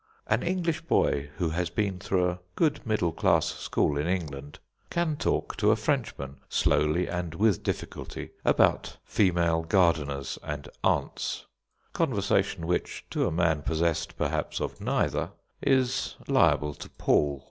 An English boy who has been through a good middle class school in England can talk to a Frenchman, slowly and with difficulty, about female gardeners and aunts; conversation which, to a man possessed perhaps of neither, is liable to pall.